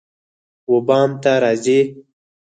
وبام ته راځی